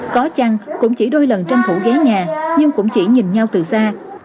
có chăng cũng chỉ đôi lần tranh thủ ghế nhà nhưng cũng chỉ nhìn nhau từ xa